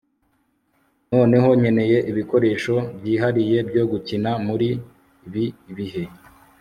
noneho nkeneye ibikoresho byihariye byo gukina muribi bihe